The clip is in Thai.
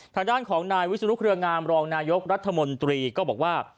ทางด้านของนายวิศนุเครืองามรองนายกรัฐมนตรีก็บอกว่า